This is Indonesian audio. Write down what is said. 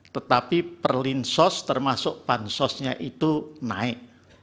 tetapi perlinsos termasuk bansosnya itu naik